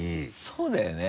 そうだよね。